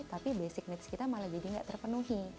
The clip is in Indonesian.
tapi basic needs kita malah jadi nggak terpenuhi